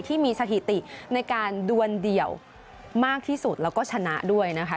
ที่มีสถิติในการดวนเดี่ยวมากที่สุดแล้วก็ชนะด้วยนะคะ